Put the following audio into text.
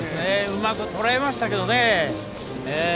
うまくとらえましたけどね。